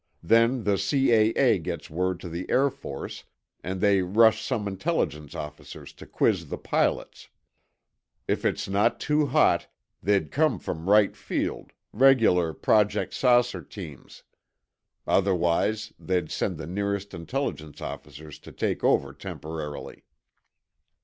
Then the C.A.A. gets word to the Air Force, and they rush some Intelligence officers to quiz the pilots. if it's not too hot, they'd come from Wright Field—regular Project 'Saucer' teams. Otherwise, they'd send the nearest Intelligence officers to take over temporarily."